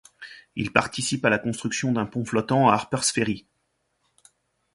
Il participe à la construction d'un pont flottant à Harpers Ferry.